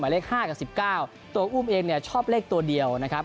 หมายเลข๕กับ๑๙ตัวอุ้มเองชอบเลขตัวเดียวนะครับ